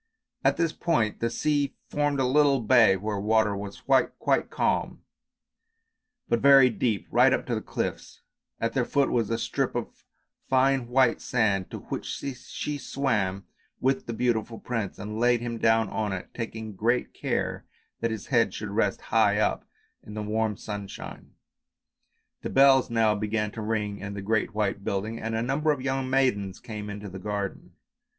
At this point the sea formed a little bay where the water was quite calm, but very deep, right up to the cliffs; at their foot was a strip of fine white sand to which she swam with the beautiful prince, and laid him down on it, taking great care that his head should rest high up in the warm sunshine. The bells now began to ring in the great white building and a number of young maidens came into the garden.